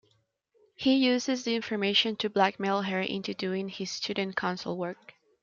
He uses the information to blackmail her into doing his student council work.